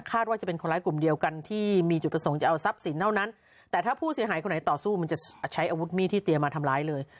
ว่าจะเป็นคนร้ายกลุ่มเดียวกันที่มีจุดประสงค์จะเอาทรัพย์สินเท่านั้นแต่ถ้าผู้เสียหายคนไหนต่อสู้มันจะใช้อาวุธมีดที่เตรียมมาทำร้ายเลย